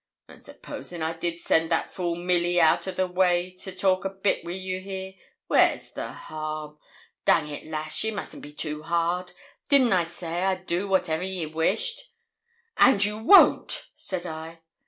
'And supposin' I did send that fool, Milly, out o' the way, to talk a bit wi' you here, where's the harm? Dang it, lass, ye mustn't be too hard. Didn't I say I'd do whatever ye wished?' 'And you won't,' said I.